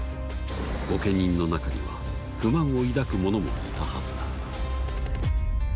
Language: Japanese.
御家人の中には不満を抱く者もいたはずだ。